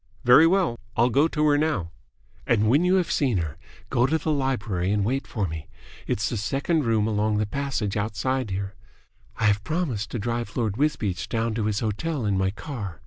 "Very well. I'll go to her now." "And when you have seen her, go to the library and wait for me. It's the second room along the passage outside here. I have promised to drive Lord Wisbeach down to his hotel in my car.